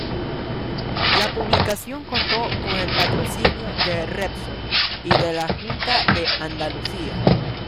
La publicación contó con el patrocinio de Repsol y de la Junta de Andalucía.